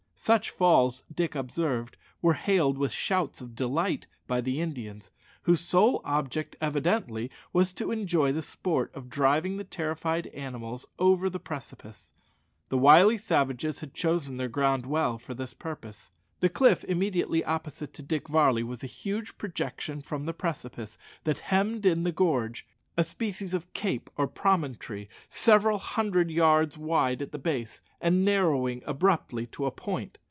Such falls, Dick observed, were hailed with shouts of delight by the Indians, whose sole object evidently was to enjoy the sport of driving the terrified animals over the precipice. The wily savages had chosen their ground well for this purpose. The cliff immediately opposite to Dick Varley was a huge projection from the precipice that hemmed in the gorge, a species of cape or promontory several hundred yards wide at the base, and narrowing abruptly to a point.